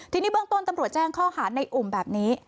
ทีนี้เบื้องต้นตำรวจแจ้งข้อหาในอุ่มแบบนี้